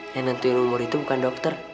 yang nentuin umur itu bukan dokter